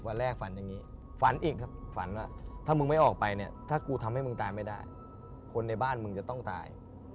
วันแรกฝันอย่างนี้ฝันอีกครับฝันว่าถ้ามึงไม่ออกไปเนี่ยถ้ากูทำให้มึงตายไม่ได้คนในบ้านมึงจะต้องตาย